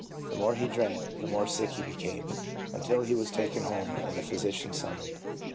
The more he drank, the more sick he became, until he was taken home and the physician summoned.